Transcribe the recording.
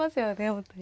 本当に。